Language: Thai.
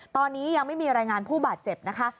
ตอนนี้ยังไม่มีรายงานผู้บาดเจ็บนะคะ